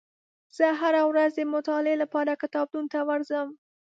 زه هره ورځ د مطالعې لپاره کتابتون ته ورځم.